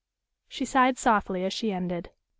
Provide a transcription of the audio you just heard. She sighed softly as she ended.